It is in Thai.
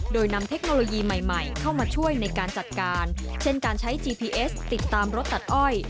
โดยนำเทคโนโลยีใหม่ใหม่เข้ามาช่วยในการจัดการเช่นการใช้จีพีเอสติดตามรถตัดอ้อย